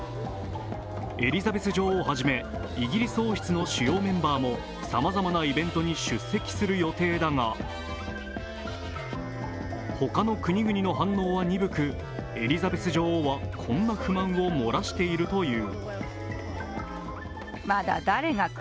エリザベス女王を始めイギリス王室の主要メンバーもさまざまなイベントに出席する予定だが他の国々の反応は鈍くエリザベス女王はこんな不満を漏らしているという。